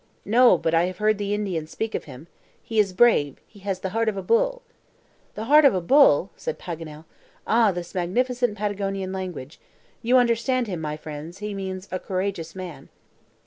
"No; but I have heard the Indian speak of him. He is brave; he has the heart of a bull." "The heart of a bull!" said Paganel. "Ah, this magnificent Patagonian language. You understand him, my friends, he means a courageous man."